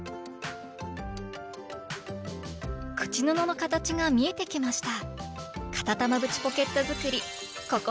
口布の形が見えてきました！